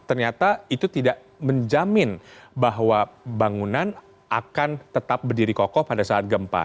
ternyata itu tidak menjamin bahwa bangunan akan tetap berdiri kokoh pada saat gempa